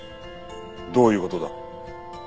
どういう事だ？